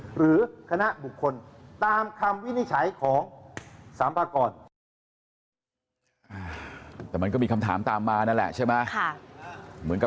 หรือคณะบุคคลตามคำวินิจฉัยของสามพากร